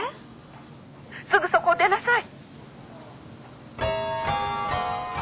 ☎すぐそこを出なさい！